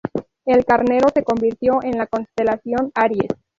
El carnero se convirtió en la constelación Aries.